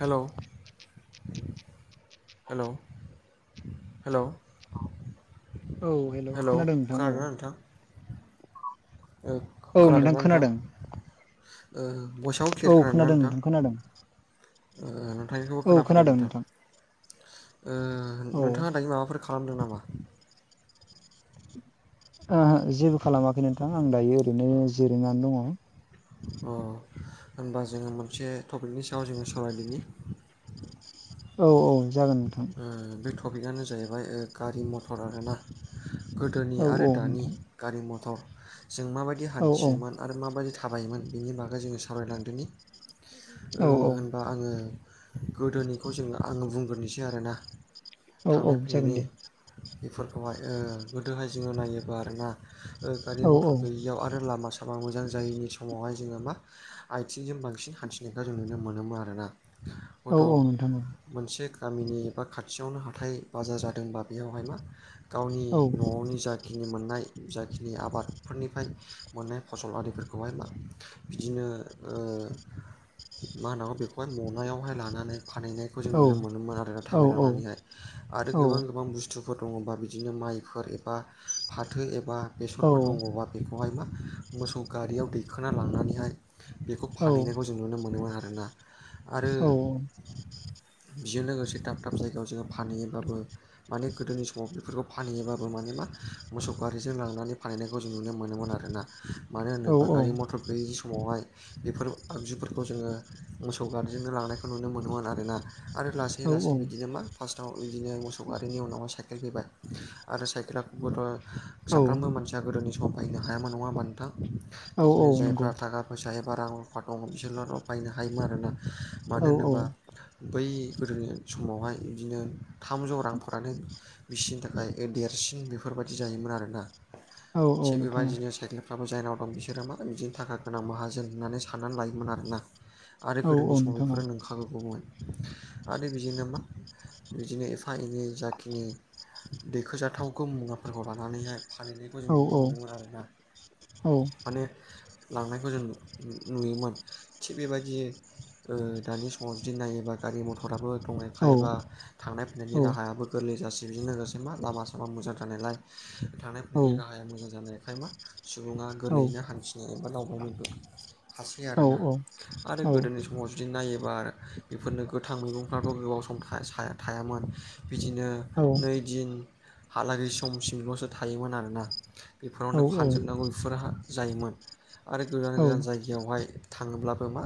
हेल' हेल' हेल' औ हेल' हेलौ खोनादों नोंथां औ खोनादोंना नोंथां ओ औ खोनादोंना नोंथां खोनादों ओ बयसआव औ केेर खोनादों खोनादोंना नोंथां खोनादों नोंथां थायनायखौबो औ खोनाफैदों खोनादों नोंथां ओ औ नोंथाङा दायो माबाफोर खालामदों नामा ओ जेबो खालामाखै नोंथां आं दायो ओरैनो जिरैनानै दङ अ होनबा जोङो मोनसे टपिकनि सायाव जोङो सावरायदिनि औ औ जागोन नोंथां ओ बे टपिकआनो जाहैबाय गारि मथर आरोना गोदोनि औ आरो औ दानि नोंथां गारि मथर जों माबायदि औ औ हान्थियोमोन आरो माबायदि थाबायोमोन बेनि बागै जोङो सावरायलांदोनि ओ औ औ होनबा आङो गोदोनिखौ जोङो आङो बुंग्रोनोसै आरोना औ थांनाय औ जागोन फैनायनि दे बेफोरखौहाय ओ गोदोहाय जोङो नायोबा आरोना गारि औ मटर औ गैयैयाव आरो लामा सामा मोजां जायैनि समावहाय जोङो मा आथिंजों बांसिन हान्थिनायखौ जों नुनो मोनोमोन आरोना औ हयथ' औ नोंथां मोनसे गामिनि एबा खाथियावनो हाथाय बाजार जादोंबा बेयावहाय मा गावनि औ औ न'नि जा जाखिनि मोननाय जाखिनि आबादफोरनिफ्राय मोननाय फसल आरिफोरखौहाय मा बिदिनो ओ मा होनांगौ बेखौहाय मनायावहाय लानानै फानैहैनाय जों औ नुनो मोनोन आरो औ थाबाय औ लानानैहाय आरो गोबां गोबां बुस्थुफोर दङबा बिदिनो माइफोर एबा फाथो एबा बेसरफोर दङबा बेखौहाय मा मोसौ गारियाव दैखोना लांनानैहाय बेखौ फानहैनायखौ जों नुनो मोनोमोन आरोना आरो औ बेजों लोगोसे दाब दाब जायगायाव जोङो फानहैयोब्लाबो माने गोदोनि समाव बेफोरखौ फानहैयोबाबो माने मा मोसौ गारिजों लांनानै फानहैनायखौ जों नुनो मोनोमोन आरोना मानो होनोब्ला गारि मथर गैयिनि समावहाय बेफोर आगजुफोरखौ जोङो मोसौ गारिजोंनो लानायखौ नुनो मोनोमोन आरोना आरो लासै लासै बिदिनो मा फार्स्टआव बिदिनो मोसौ गारिनि उनाव साइकेल फैबाय आरो साइकेलाथ' साफ्रोमबो औ मोनसि दा गोदोनि समाव बायैनो हायामोन नङा होनबा नोंथां औ औ बिदिनो जायफ्रा नंगौ थाखा थाखा फैसा एबा रां रुफा दङ बिसोरल' बायनो हायोमोन आरोना औ मानो औ होनोबा बै गोदोनि समावहाय बिदिनो थामजौ रां फानो बिसिनि थाखाय देरसिन बेफोरबायदि जायोमोन आरोना औ औ थिग नोंथां बेबायदिनो साइकेल फाबो जायनाव दं बिसोरो मा बिदिनो थाखा गोनां माहाजोन होननानै साननानै लायोमोन आरोना। आरो औ गोदोनि औ समाव नोंथां बेफोरो औ नंखागौमोन। आरो बिजोंनो मा बिदिनो एफा एनै जाखिनि दैखोजाथावखौ मुवाफोरखौ लानानैहाय फालिनायखौ जों औ नुनो मोनोमोन आरोना माने। लांनायखौ जों नुयोमोन थिग बेबायदि दानि समाव जुदि नायो। गारि मथराबो दंनायखाय एबा औ थांनाय फैनायनि राहायाबो गोरलै जासै बिजोंनो लोगोसेै मा लामा सामा मोजां जानायालाय थानायां औ फैनायनि राहाया मोजां जानायखाय मा सुबुङा औ गोरलैयैनो हान्सि ज एबा लावबायमोनबो हासै आरोना आरो गोदोनि समाव जुदि नायोबा। बेफोरनो गोथां मैगंफ्राबो गोबाव सम थायामोन बिदिनो नै दिनै हालागै समसिमल'सो थायोमोन आरोना। बेफोरावनो फानजोबनांगौ बेफोरहा जायोमोन आरो गोदान गोजान औ-औ-औ-औ-औ-औ-औ-औ-औ-औ-औ-औ-औ-औ-औ-औ-औ जायगयावहाय थाङोब्लाबो मा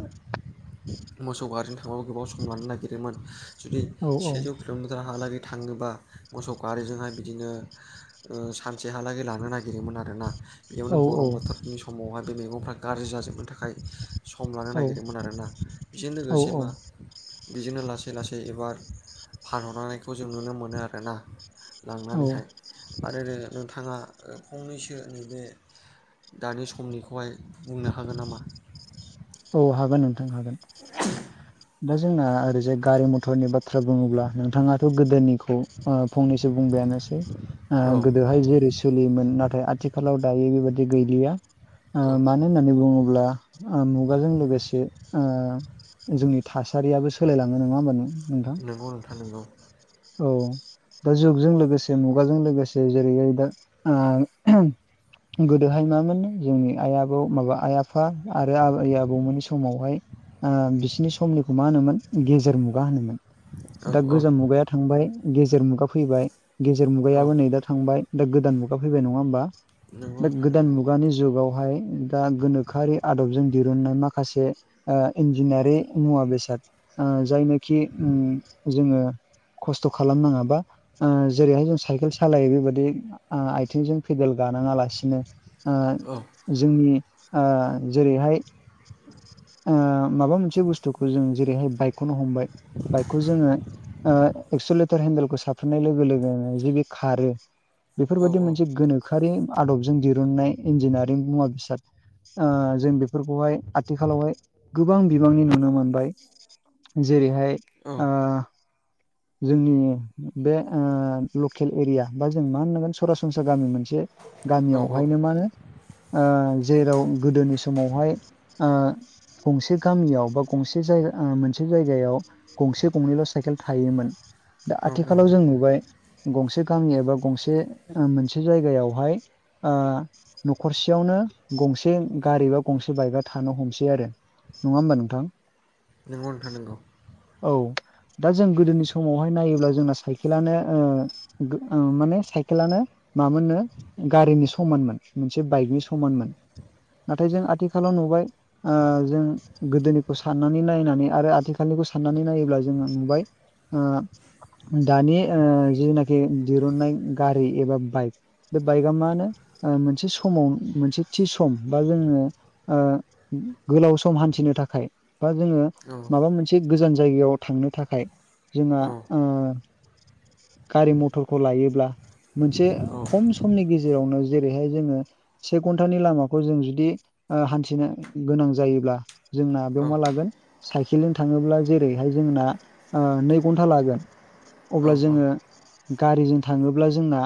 मोसौ गारिजों थाङोबो गोबाव सम लानो नागिरोमोन जुदि सेजौ किल'मिटार हालागै थाङोबा मोसौ गारिजोंहाय बिदिनो सानसेहालागै लानो नागिरोमोन आरोना। बेयावनो गरम बोथोरनि समावहाय बे मैगंफ्रा गाज्रि जाजोबनो थाखाय सम लानो नागिरदोंमोन आरोना बेजों लोगोसे मा बिजोंनो लासै लासै एबार फानहरनायखौ जों नुनो मोनो आरोना। लांनानैहाय आरो नोंथाङा फंनैसो नैबे दानि समनिखौहाय बुंनो हागोन नामा? औ हागोन नोंथां हागोन। दा जोंना ओरैजाय गारि मथरनि बाथ्रा बुङोब्ला नोंथाङाथ' गोदोनिखौ फंनैसो बुंबायानोसै। औ गोदोहाय जेरै सोलियोमोन नाथाय आथिखालाव दायो बेबादि गैलिया औ मानो होननानै बुङोब्ला। खुगाजों लोगोसे जोंनि थासारियाबो सोलायलाङो नङा होमबा नोंथां? नंगौ नोंथां नोंगौ। औ। दा जुगजों लोगोसे मुगाजों लोगोसे जेरैहाय दा गोदोहाय मामोन जोंनि आइ आबौ माबा आइ-आफा आरो आ आइ आबौमोननि समावहाय बिसोरनि समनिखौ मा होनोमोन गेजेर मुगा होनोमोन। औ दा औ गोजाम मुगाया थांबाय गेजेर मुगा फैबाय गेजेर औ मुगायाबो नै दा थांबाय। दा गोदान मुगा फैबाय नङा होमबा? नंगौ बे नोंथां नंगौ गोदान मुगानि जुगाव बेवहाय दा गोनोखोआरि आदबजों दिरुननाय माखासे। ओ इन्जिनारि मुवा बेसाद जायनोखि जोङो। खस्थ' खालामनाङाबा। जेरैहाय जों साइकेल सालायो बे बायदिथ' आथिंजों फेदेल गानाङा लासिनो। औ जोंनि जेरैहाय माबा मोनसे बुस्थुखौ जों जेरैहाय बाइकखौनो हमबाय बाइकखौ जोङो। खौ सानाय लोगो लोगोनो जे बे खारो बेफोर औ बायदि मोनसे गोनो। सोरखारि आदबजों दिरुननाय इन्जिनियारिं मुवा बेसाद जों बे फोरखौहाय आथिखालावहाय गोबां बिबांनि नुनो मोनबाय। जेरै‌हाय औ ओ जोंनि बे लकेल एरिया बा जों मा होनांगोन सरासनस्रा गामि मोनसे औ गामियावहायनो मा होनो जेराव गोदोनि समावहाय गंसे गामियाव बा गंसे जायगा मोनसे जायगायाव गंसे गंनैल' साइकेल थायोमोन दा औ औ आथिखालाव जों नुबाय गंसे गामि एबा गंसे मोनसे जायगायावहाय न'खरसेयावनो गंसे गारि बा गंसे बाइकआ थानो हमसै आरो नङा होमबा नोंथां नोंगौ नोंथां नांगौ औ दा जों गोदोनि समावहाय नायोब्ला जोंना साइकेलानो माने साइकेलानो मामोननो गारिनि समानमोन मोनसे बाइकनि समानमोन नाथाय जों आथिखालाव नुबाय जों गोदोनिखौ साननानै नायनानै आरो आथिखालनिखौ साननानै नायोब्ला जोङो नुबाय आ दानि जिनाखि दिरुननाय गारि एबा बाइक बे बाइकआ मानो मोनसे समाव मोनसे थि सम बा जोङो गोलाव सम हान्थिनो थाखाय बा जोङो औ माबा मोनसे गोजान जायगायाव थांनो थाखाय जोंहा औ गारि मथरखौ लायोब्ला मोनसे औ खम समनि गेजेरावनो जेरैहाय जोङो से घन्टानि लामाखौ जों जुदि हान्थिनो गोनां जायोब्ला जोंना बेयाव औ मा लागोन साइकेलजों थाङोब्ला जेरैहाय जोंना नै घन्टा लागोन औ अब्ला औ जोङो गारिजों थाङोब्ला जोंना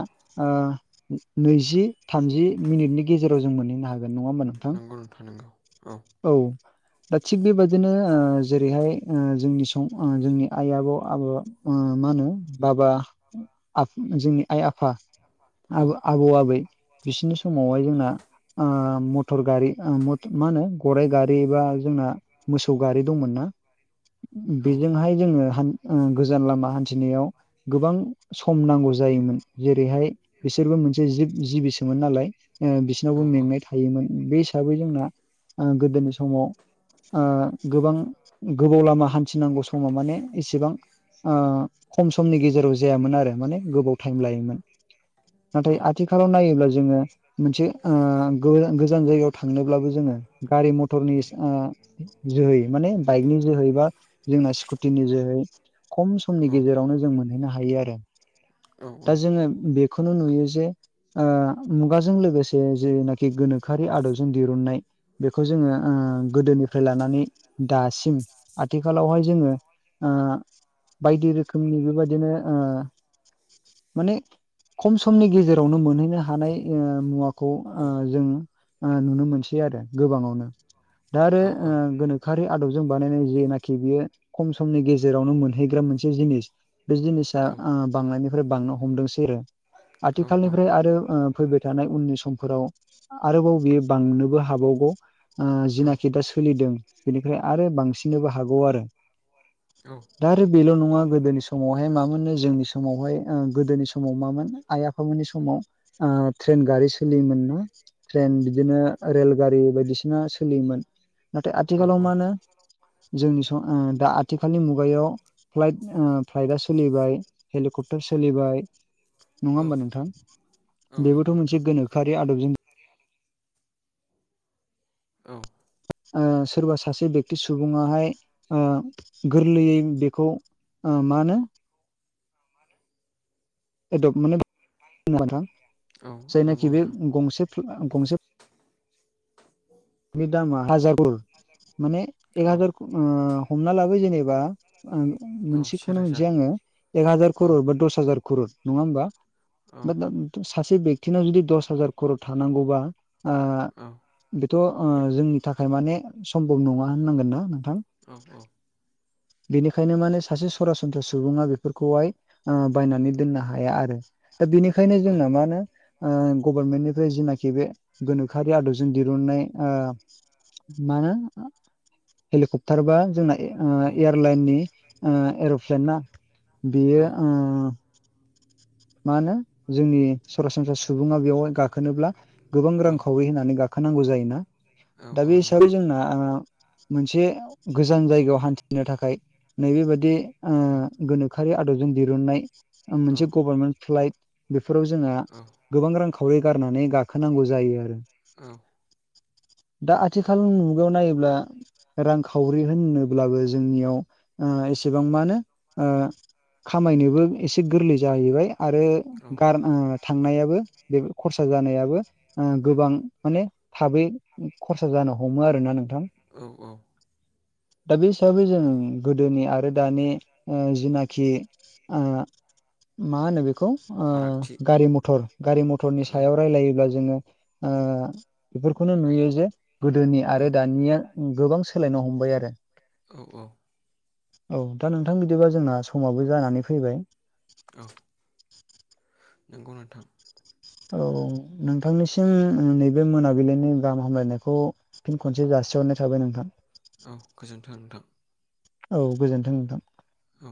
नैजि थामजि मिनिटनि गेजेराव जों मोनहैनो हागोन नङा होमबा नोंथां नंगौ नोंथां नोंगौ औ औ दा थिग बेबायाददिनो जेरैहाय जोंनि स जोंनि आइ आबौ आब मा होनो बाबा जोंनि आइ आफा औ आबौ आबै बिसिोरनि समावहाय जोंना मटर गारि मा होनो गराइ गारि एबा जोंना मोसौ गारि दंमोन ना औ बेजोंहाय जोङो गोजान लामा हान्थिनायाव गोबां सम नांगौ जायोमोन जेरैहाय बिसोरबो मोनसे जिब जिबिसोमोन नालाय बिसोरनावबो मेंनाय औ थायोमोन बे हिसाबै जोंना गोदोनि समाव गोबां गोबाव लामा हान्थिनांगौ समाव माने एसेबां खम समनि गेजेराव जायामोन आरो माने गोबाव टाइम लायोमोन औ नाथाय आथिखालाव नायोब्ला जोङो मोनसे गोजान जायगायाव थांनोब्लाबो जोङो गारि मथरनि जोहै माने बाइकनि जोहै बा जोंना स्कुटिनि जोहै खम समनि औ गेजेरावनो जों मोनहैनो हायो आरो औ दा जोङो बेखौनो नुयो जे मुगाजों लोगोसे जेनाखि गोनोखोआरि आदबजों दिरुननाय बेखौ जोङो गोदोनिफ्राय लानानै दासिम आथिखालावहाय जोङो बायदि रोखोमनि बेबादिनो माने खम समनि गेजेरावनो मोनहैनो हानाय मुवाखौ औ जों नुनो मोनसै आरो गोबाङावनो दा आरो गोनो गो खारिै आदबजों बानायनाय जेनाखि बियो खम समनि गेजेरावनो मोनहैग्रा मोनसे जिनिस बे जिनिसा बांनायनिफ्राय बांनो हमदोंसै आरो आथिखालनिफ्राय आरो फैबाय थानाय उननि समफोराव आरोबाव बियो बांनोबो हाबावग जिनाखि दा सोलिदों बेनिफ्राय आरो बांसिननोबो हागौ आरो औ दा आरो बेल' नङा गोदोनि समावहाय मा मोननो जोंनि समावहाय गोदोनि समाव मा मोन आइ आफामोननि समाव ओ ट्रेन गारि सोलियोमोन नो ट्रेन बिदिनो रेल गारि बायदिसिना सोलियोमोन नाथाय औ आथिखालाव मा होनो जोंनि स ओ दा आथिखालनि मुगायाव फ्लाइट फ्लाइटआ सोलिबाय हेलिकप्टार सोलिबाय नङा औ होमबा नोंथां औ नंगौ बेबोथ' नोंथां मोनसे गोनोखोआरि आदबजों औ ओ सोरबा सासे बेक्ति सुबुङाहाय गोरलैयै बेखौ ओ मा होनो एडप्ट माने नोंथां औ नंगौ जायनाखि बे नोंथां गंसे गंसे बे दामा हाजार माने एक औ हाजार ओ हमना लाबाय जेनेबा आ औ मोनसेखौनो सेेरोजा होननोसै आङो एक हाजार औ खर'र बा दस हाजार खर'र नङा होमबा औ बा दा सासे बेक्तिनाव जुदि दस हाजार खर'र थानांगौबा ओ औ थ' ओ जोंनि थाखाय माने सम्भब नङा होननांगोन ना नोंथां औ औ [inaudible] बेनिखायनो माने सासे सरासनस्रा सुबुङा बेफोरखौहाय ओ बायनानै दोननो हाया आरो दा बेनिखायनो औ जोंना मा होनो गभर्नमेन्टनिफ्राय जनाखि बे गोनोखोआरि आदबजों दिरुननाय ओ मा होनो हेलिकप्टार बा जोंना ओ औ एयारलाइननि एर'प्लेन ना बियो ओ मा होनो जोंनि सरासनस्रा सुबुङा बेवहाय गाखोनोब्ला गोबां रांखावरि होनानै गाखोनांगौ जायोना दा औ बे नंगौ हिसाबै जोंना ओ मोनसे गोजान जायगायाव हान्थिनो थाखाय नैबेबाददि ओ औ गोनोखोआरि आदबजों दिरुननाय ओ औ मोनसे गभर्नमेन्ट फ्लाइट बेफोराव जोंहा औ गोबां रांखावरि गारनानै गाखोनांगौ जायो आरो औ दा आथिखाल मुगायाव नायोब्ला रांखावरि होनोब्लाबो जोंनियाव ओ एसेबां मानो खामायनोबो एसे गोरलै जाहैबाय आरो गार ओ थांनायाबो बे खरसा जानायाबो ओ गोबां माने थाबै खरसा जानो हमो आरोना नोंथां औ औ दा बे हिसाबै जों नंगौ गोदोनि आरो दानि ओ जिनाखि आ मा होनो बेखौ ओ फारागथि गारि मथर गारि मथरनि औ सायाव रायलायोब्ला जोङो ओ बेफोरखौनो नुयो जे गोदोनि औ आरो दानिया गोबां सोलायनो हमबाय आरो औ औ औ दा नोंथां बिदिबा जोंना समाबो जानानै फैबाय नोंगौ नोंथां औ नोंथांनिसिम नैबे मोनाबिलिनि गाहाम हामलायनायखौ फिन खनसे जासिहरनाय थाबाय नोंथां औ गोजोन्थों नोंथां औ गोजोन्थों नोंथां औ